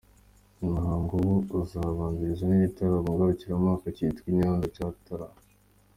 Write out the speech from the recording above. Uyu muhango na wo uzabanzirizwa n’igitaramo ngarukamwaka cyitwa ’I Nyanza Twataramye’.